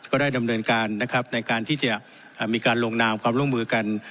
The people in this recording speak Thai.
ก็ได้ดำเนินการนะครับในการที่จะมีการลงนามความร่วมมือกัน